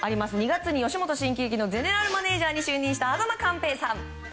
２月に吉本新喜劇のゼネラルマネジャーに就任した間寛平さん。